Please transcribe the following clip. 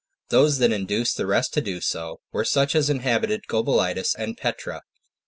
Those that induced the rest to do so, were such as inhabited Gobolitis and Petra.